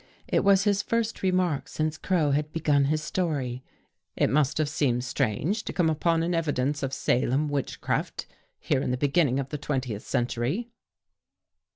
It was his first remark since Crow had begun his story. " It must have seemed strange to come upon an evidence of Salem witchcraft here in the beginning of the twentieth century."